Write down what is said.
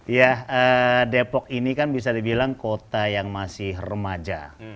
ya depok ini kan bisa dibilang kota yang masih remaja